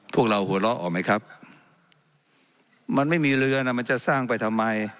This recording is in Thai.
พวกเราหัวเราะออกไหมครับมันไม่มีเรือนะมันจะสร้างไปทำไม